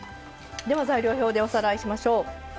材料表でおさらいしましょう。